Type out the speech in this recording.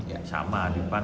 ya sama di pan